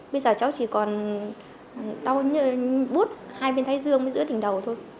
bây giờ cháu chỉ còn đau như bút hai bên thay dương giữa tỉnh đầu thôi